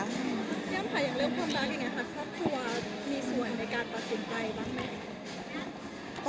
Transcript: ด้วยท่านมีดีใจในการตัดสินใจบางมั้ย